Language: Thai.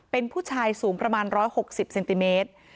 เป็นผู้ชายสูงประมาณ๑๖๐เซนติเมตร